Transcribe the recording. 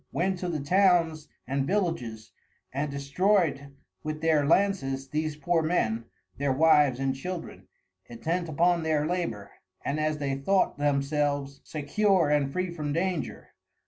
went to the Towns and Villages, and destroy'd with their Lances these poor Men, their Wives and Children, intent upon their Labour, and as they thought themselves, secure and free from danger.